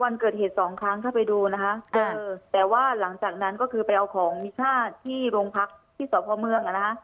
วันเกิดเหตุสองครั้งถ้าไปดูนะคะแต่ว่าหลังจากนั้นก็คือไปเอาของมีค่าที่โรงพักที่สพเมืองอ่ะนะคะ